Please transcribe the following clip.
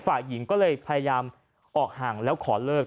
ฝ่ายหญิงก็เลยพยายามออกห่างแล้วขอเลิก